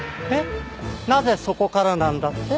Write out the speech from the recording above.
なぜそこからなんだって？